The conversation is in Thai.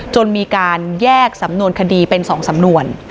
จนมีการแยกสำนวนคดีเป็น๒สำนวน